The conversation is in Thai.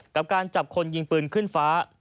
กับการจับคนยิงปืนขึ้นฟ้า